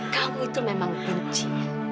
kamu itu memang benci